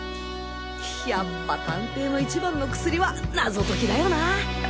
やっぱ探偵の一番の薬は謎解きだよな！